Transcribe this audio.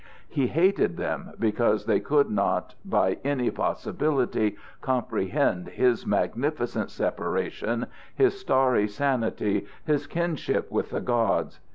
He hated them because they could not by any possibility comprehend his magnificent separation, his starry sanity, his kinship with the gods.